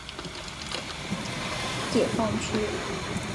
豫皖苏解放区设。